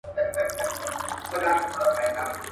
ما د خپل جانان د کوڅې لوری پېژندلی دی .